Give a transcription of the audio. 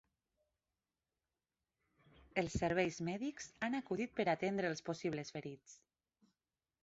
Els serveis mèdics han acudit per atendre els possibles ferits.